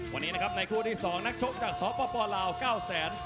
วันนี้นะครับในคู่ที่๒นักชกจากสปลาว๙แสน